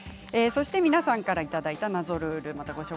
そして、皆さんからいただいた謎ルール。